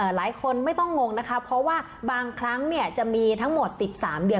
หลายคนไม่ต้องงงนะคะเพราะว่าบางครั้งจะมีทั้งหมด๑๓เดือน